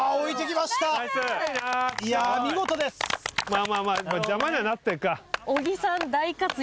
まぁまぁ邪魔にはなってるか。